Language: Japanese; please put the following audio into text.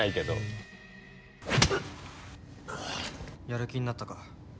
やる気になったか？